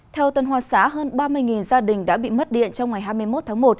theo tân hoa xá hơn ba mươi gia đình đã bị mất điện trong ngày hai mươi một tháng một